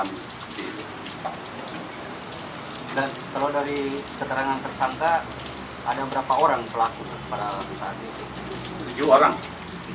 dan kalau dari keterangan tersangka ada berapa orang pelaku pada saat ini